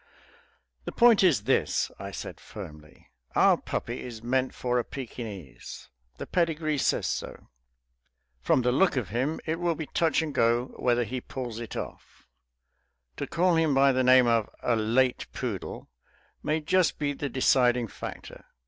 "The point is this," I said firmly, "our puppy is meant for a Pekinese the pedigree says so. From the look of him it will be touch and go whether he pulls it off. To call him by the name of a late poodle may just be the deciding factor.